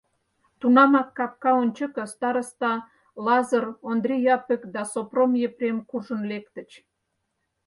Тунамак капка ончыко староста Лазыр, Ондри Япык да Сопром Епрем куржын лектыч.